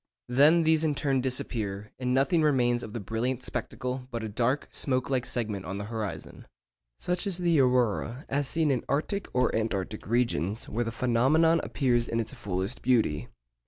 Then these in turn disappear, and nothing remains of the brilliant spectacle but a dark smoke like segment on the horizon. Such is the aurora as seen in arctic or antarctic regions, where the phenomenon appears in its fullest beauty.